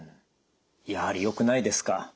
やはりよくないですか？